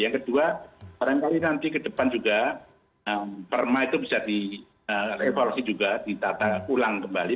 yang kedua barangkali nanti ke depan juga perma itu bisa dievaluasi juga ditata ulang kembali